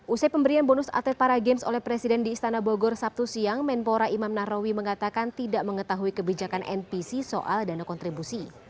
usai pemberian bonus atlet para games oleh presiden di istana bogor sabtu siang menpora imam nahrawi mengatakan tidak mengetahui kebijakan npc soal dana kontribusi